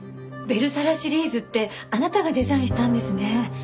ベルサラシリーズってあなたがデザインしたんですね。